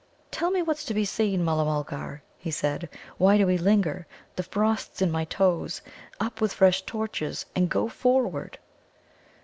"Tell me what's to be seen, Mulla mulgar," he said. "Why do we linger? The frost's in my toes. Up with fresh torches and go forward."